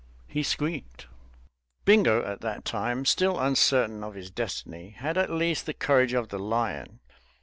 He squeaked. Bingo, at that time still uncertain of his destiny, had at least the courage of the lion.